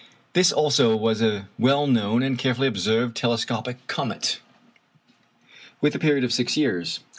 This also was a well known and carefully observed telescopic comet, with a period of six years.